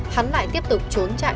hắn lại tiếp tục trốn trại